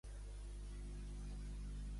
Quin personatge cèlebre menciona aquest déu?